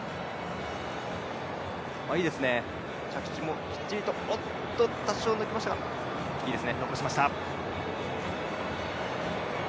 いいですね、着地もきっちりとおっと多少抜けましたがいいですね、残しました。